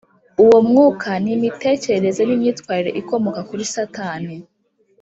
Uwo mwuka ni imitekerereze n imyitwarire ikomoka kuri Satani